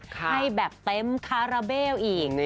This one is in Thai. ให้แบบเต็มคาราเบลอีก